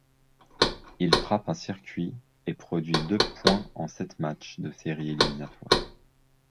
Il frappe un circuit et produit deux points en sept matchs de séries éliminatoires.